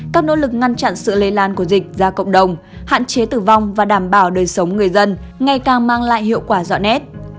các nỗ lực ngăn chặn sự lây lan của dịch ra cộng đồng hạn chế tử vong và đảm bảo đời sống người dân ngày càng mang lại hiệu quả rõ nét